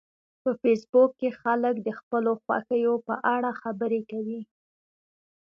په فېسبوک کې خلک د خپلو خوښیو په اړه خبرې کوي